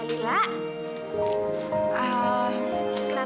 aku juga bisa berhubung dengan kamu